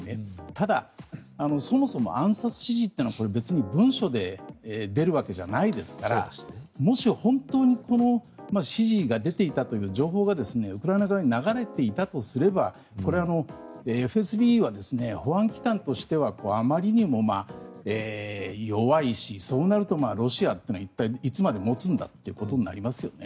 ただ、そもそも暗殺指示というのは別に文書で出てるわけじゃないですからもし、本当に指示が出ていたという情報がウクライナ側に流れていたとすればこれはＦＳＢは保安機関としてはあまりにも弱いしそうなるとロシアってのは一体いつまで持つんだということになりますよね。